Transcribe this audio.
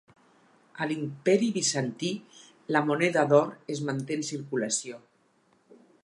A l'Imperi Bizantí, la moneda d'or es manté en circulació.